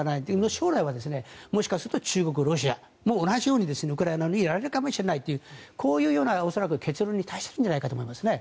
将来はもしかすると中国、ロシアも同じようにウクライナのようにやられるかもしれないという結論に達したんじゃないかと思いますね。